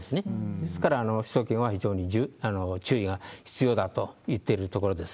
ですから、首都圏は非常に注意が必要だと言ってるところです。